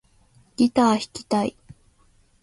ギター弾きたい